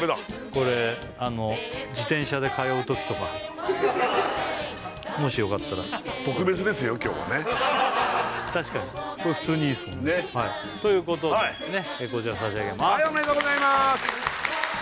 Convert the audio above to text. これ自転車で通うときとかもしよかったら確かにこれ普通にいいですよねということでこちら差し上げますおめでとうございます！